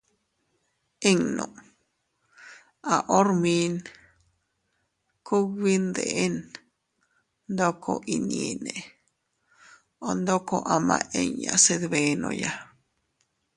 Innu..- A hormin kugbi ndeʼen ndoko inñiinne o ndoko ama inña se dbenoya.